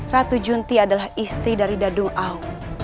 ratu junti adalah istri dari dadung al